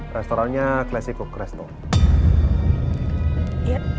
restorannya classy cook restaurant